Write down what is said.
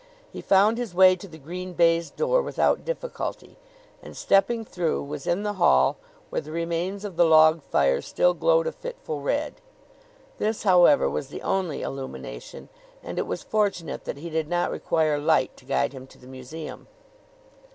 He found his way to the green baize door without difficulty and, stepping through, was in the hall, where the remains of the log fire still glowed a fitful red. This, however, was the only illumination, and it was fortunate that he did not require light to guide him to the museum.